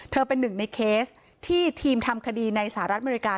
เป็นหนึ่งในเคสที่ทีมทำคดีในสหรัฐอเมริกา